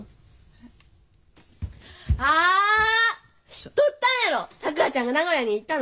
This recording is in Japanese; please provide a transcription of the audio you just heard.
知っとったんやろさくらちゃんが名古屋に行ったの。